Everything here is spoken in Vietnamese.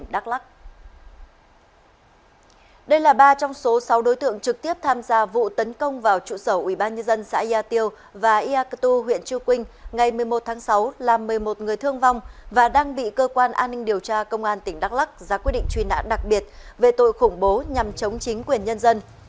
đây là ba trong số sáu đối tượng trực tiếp tham gia vụ tấn công vào trụ sở ubnd xã gia tiêu và iacu huyện chư quynh ngày một mươi một tháng sáu làm một mươi một người thương vong và đang bị cơ quan an ninh điều tra công an tỉnh đắk lắc ra quyết định truy nã đặc biệt về tội khủng bố nhằm chống chính quyền nhân dân